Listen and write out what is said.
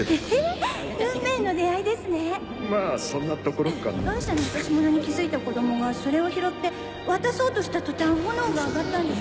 まぁそんなところかな被害者の落とし物に気付いた子供がそれを拾って渡そうとした途端炎が上がったんです